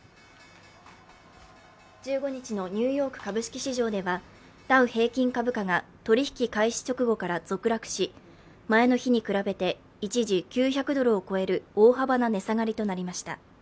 １５日のニューヨーク株式市場ではダウ平均株価が取引開始直後から続落し前の日に比べて一時９００ドルを超える大幅な値下がりとなりました。